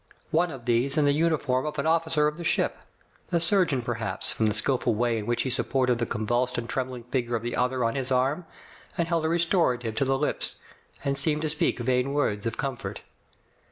One of these in the uniform of an officer of the ship ; the surgeon, perhaps, from the skillful way in which he supported the convulsed and trembling figure of the other on his arm, and held a restorative to the lips and seemed to speak vain words of comfort.